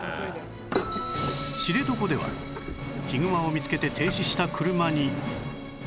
知床ではヒグマを見つけて停止した車に